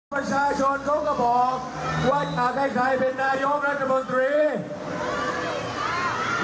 ประชาชนเขาก็บอกว่าอยากให้ใครเป็นนายกรัฐมนตรี